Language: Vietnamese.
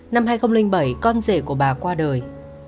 năm hai nghìn bảy con rể của bà qua đời